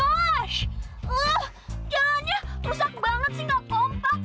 wah jalannya rusak banget sih gak kompak